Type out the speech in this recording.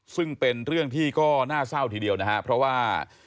ซึ่งเป็นเรื่องที่ก็น่าเศร้าทีเดียวนะครับเพราะว่า